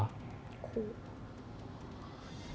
คุก